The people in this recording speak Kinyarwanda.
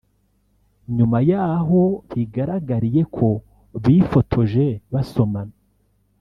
nyuma y’aho bigaragariye ko bifotoje basomana